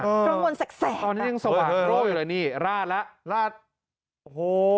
กังวลแสกตอนนี้ยังสว่างโรคอยู่เลยนี่ราดแล้วลาดโอ้โห